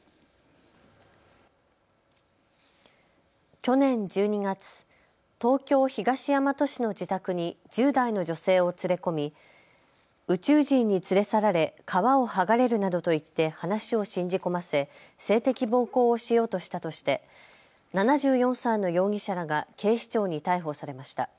去年１２月、東京東大和市の自宅に１０代の女性を連れ込み宇宙人に連れ去られ皮を剥がれるなどと言って話を信じ込ませ性的暴行をしようとしたとして７４歳の容疑者らが警視庁に逮捕されました。